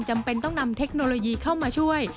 จำเป็นต้องนำเทคโนโลยีเข้ามาช่วย